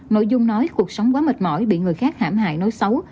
nội dung nói cuộc sống quá mệt mỏi bị người khác hãm hại nói xấu